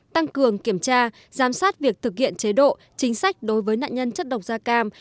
tăng cường kiểm tra giám sát việc thực hiện chế độ chính sách đối với nạn nhân chất độc da cam